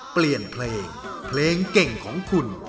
เปลี่ยนเพลงเพลงเก่งของคุณ